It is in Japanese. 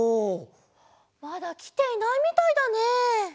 まだきていないみたいだね。